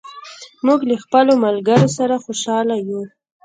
موږ له خپلو ملګرو سره خوشاله یو.